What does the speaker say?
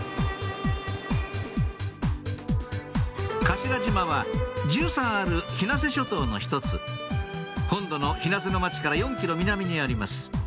頭島は１３ある日生諸島の一つ本土の日生の町から４ｋｍ南にあります